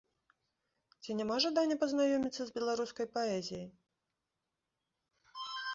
Ці няма жадання пазнаёміцца з беларускай паэзіяй?